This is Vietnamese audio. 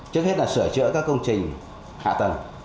trước hết là sửa chữa các công trình hạ tầng